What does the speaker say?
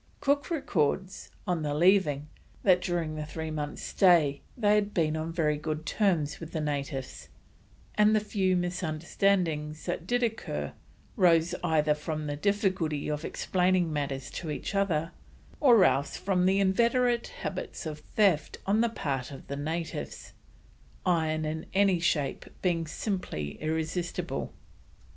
Cook records, on leaving, that during the three months' stay they had been on very good terms with the natives, and the few misunderstandings that did occur rose either from the difficulty of explaining matters to each other, or else from the inveterate habits of theft on the part of the natives iron in any shape being simply irresistible.